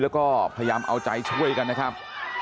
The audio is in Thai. แล้วก็พยายามเอาใจช่วยกันนะครับ